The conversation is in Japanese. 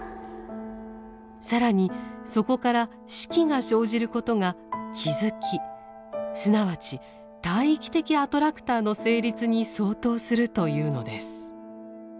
更にそこから「識」が生じることが気づきすなわち大域的アトラクターの成立に相当するというのです。